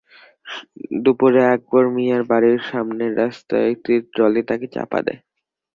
দুপুরে আকবর মিয়ার বাড়ির সামনের রাস্তায় একটি ট্রলি তাঁকে চাপা দেয়।